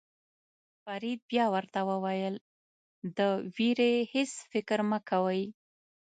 فرید بیا ورته وویل د وېرې هېڅ فکر مه کوئ.